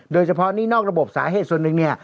โดยเฉพาะหนี้นอกระบบสาเหตุส่วนหนึ่งนี่